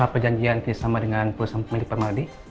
soal perjanjian tersama dengan perusahaan pemilik permadi